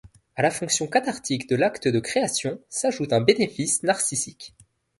À la fonction cathartique de l'acte de création s'ajoute un bénéfice narcissique.